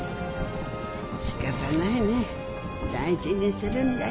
仕方ないね大事にするんだよ。